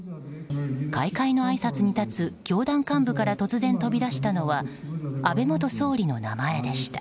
開会のあいさつに立つ教団幹部から突然、飛び出したのは安倍元総理の名前でした。